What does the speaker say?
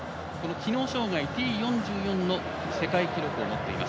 機能障がいＴ４４の世界記録を持っています。